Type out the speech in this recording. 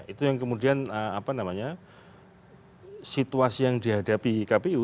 itu yang kemudian situasi yang dihadapi kpu